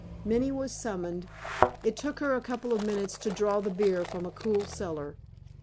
Minnie was summoned. It took her a couple of minutes to draw the beer from a cool cellar.